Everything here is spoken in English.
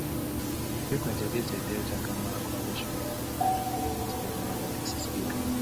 He frequently visited Delta Gamma conventions, often participating as a guest speaker.